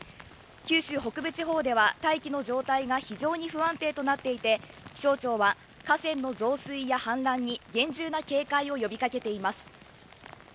九州北部地方では大気の状態が非常に不安定となっていて気象庁は河川の増水や氾濫に厳重な警戒を呼びかけています。